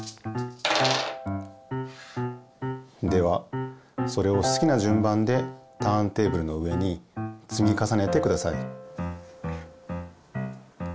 ではそれをすきなじゅん番でターンテーブルの上につみかさねてください。